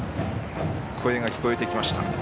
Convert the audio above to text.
声が聞こえてきました。